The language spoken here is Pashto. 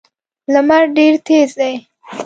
لمر ډېر تېز دی.